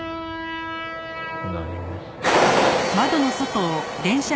何も。